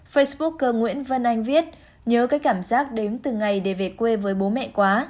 facebooker nguyễn văn anh viết nhớ cái cảm giác đến từ ngày để về quê với bố mẹ quá